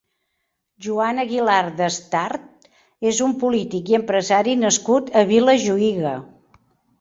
Joan Aguilar Destart és un polític i empresari nascut a Vilajuïga.